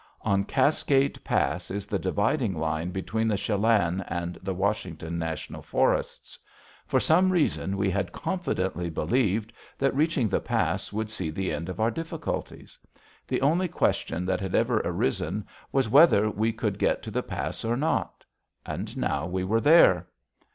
On Cascade Pass is the dividing line between the Chelan and the Washington National Forests. For some reason we had confidently believed that reaching the pass would see the end of our difficulties. The only question that had ever arisen was whether we could get to the pass or not. And now we were there.